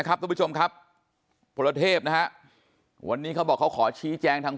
ครับทุกผู้ชมครับพลเทพนะฮะวันนี้เขาบอกเขาขอชี้แจงทาง